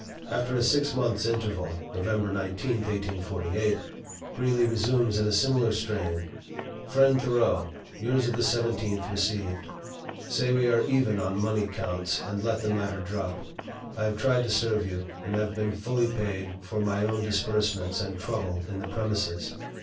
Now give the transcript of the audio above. After a six months' interval (November 19, 1848), Greeley resumes in a similar strain: "FRIEND THOREAU, Yours of the 17th received. Say we are even on money counts, and let the matter drop. I have tried to serve you, and have been fully paid for my own disbursements and trouble in the premises.